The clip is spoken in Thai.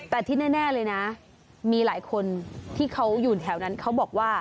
แต่ที่แน่เลยนะมีหลายคนที่เขาอยู่แถวนั้นเขาบอกว่า